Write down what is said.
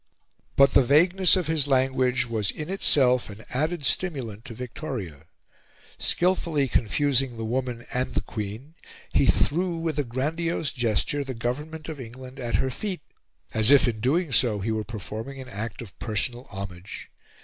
But the vagueness of his language was in itself an added stimulant to Victoria. Skilfully confusing the woman and the Queen, he threw, with a grandiose gesture, the government of England at her feet, as if in doing so he were performing an act of personal homage.